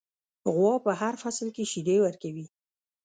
غوا په هر فصل کې شیدې ورکوي.